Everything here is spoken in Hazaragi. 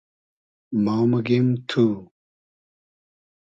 ما موگیم تو